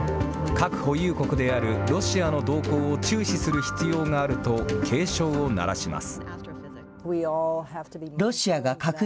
核保有国であるロシアの動向を注視する必要があると警鐘を鳴らします。